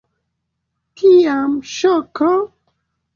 Tiam ŝoko.